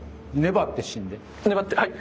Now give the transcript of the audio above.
粘ってはい。